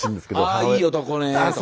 「ああいい男ね」とか。